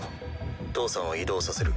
義父さんを移動させる。